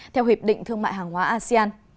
theo hiệp định thương mại hàng hóa asean